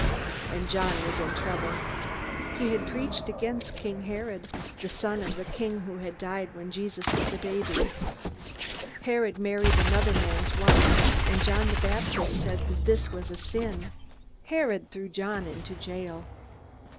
And John was in trouble. He had preached against King Herod, the son of the king who had died when Jesus was a baby. Herod married another man's wife, and John the Baptist said that this was a sin. Herod threw John into jail.